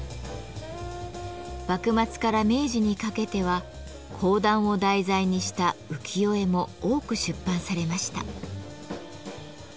幕末から明治にかけては講談を題材にした浮世絵も多く出版されました。